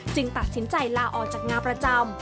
ตัดสินใจลาออกจากงานประจำ